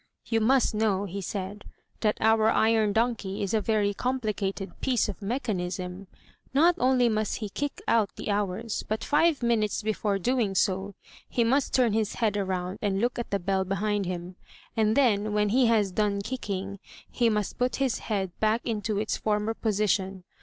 "You must know,'' he said, *'that our iron donkey is a very complicated piece of mechanism. Not only must he kick out the hours, but five minutes before doing so he must turn his head around and look at the bell behind him; and then, when he has done kicking, he must put his head back into its former position.